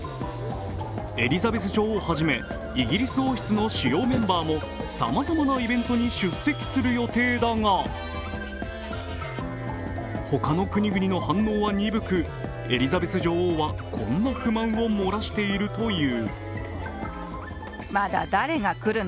エリザベス女王はじめ、イギリス王室の主要メンバーもさまざまなイベントに出席する予定だが他の国々の反応は鈍く、エリザベス女王はこんな不満を漏らしているという。